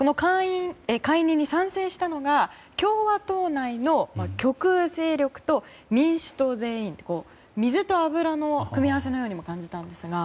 解任に賛成したのが共和党内の極右勢力と民主党全員と水と油の組み合わせのように感じたんですが。